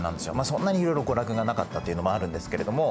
そんなにいろいろ娯楽がなかったっていうのもあるんですけれども。